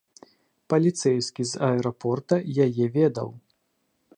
Паліцэйскі з аэрапорта яе ведаў.